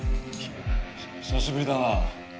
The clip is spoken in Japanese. ひ久しぶりだな。